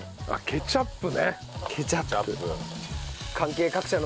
ケチャップ。